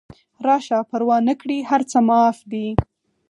راشه پروا نکړي هر څه معاف دي